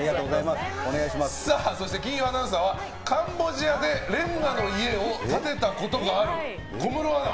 金曜日アナウンサーはカンボジアでレンガの家を建てたことがある小室アナ。